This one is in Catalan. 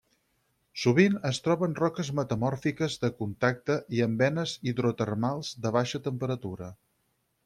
Sovint es troba en roques metamòrfiques de contacte i en venes hidrotermals de baixa temperatura.